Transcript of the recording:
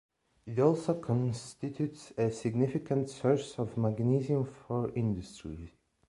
It also constitutes a significant source of magnesium for industry.